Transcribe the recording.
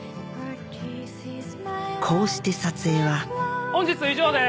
こうして撮影は本日以上です